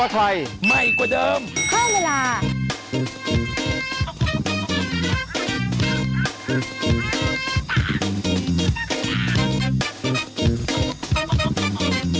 ข้าวใส่ไทยส้มกว่าไข่ไหม่กว่าเดิม